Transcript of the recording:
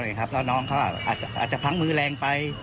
แล้วน้องเขาอาจจะพังมือแรงไป